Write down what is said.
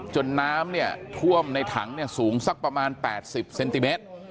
จนน้ำเนี่ยท่วมในถังเนี่ยสูงสักประมาณแปดสิบเซนติเมตร